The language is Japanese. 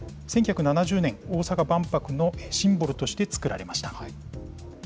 １９７０年大阪万博のシンボルとして作られました。